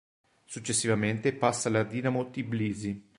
Successivamente passa alla Dinamo Tbilisi.